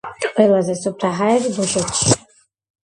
ყველაზე სუფთა ჰაერი დუშეთშია.